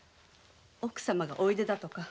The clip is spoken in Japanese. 奥様がおいでだとか。